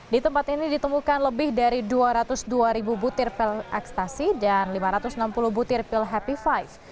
di tempat ini ditemukan lebih dari dua ratus dua ribu butir pil ekstasi dan lima ratus enam puluh butir pil happy five